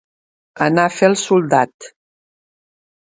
Anar a fer el soldat.